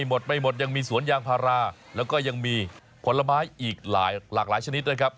หมดไม่หมดยังมีสวนยางพาราแล้วก็ยังมีผลไม้อีกหลายหลากหลายชนิดนะครับ